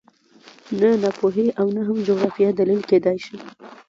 نه ناپوهي او نه هم جغرافیه دلیل کېدای شي